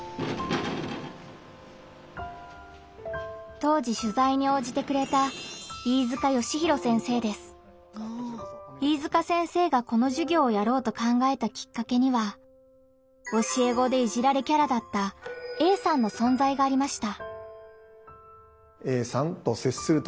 当時しゅざいに応じてくれた飯塚先生がこのじゅぎょうをやろうと考えたきっかけには教え子で「いじられキャラ」だったＡさんの存在がありました。